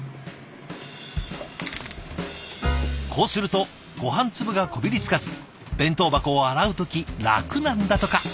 こうするとごはん粒がこびりつかず弁当箱を洗う時楽なんだとか。